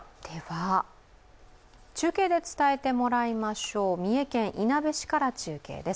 中継で伝えてもらいましょう三重県いなべ市から中継です。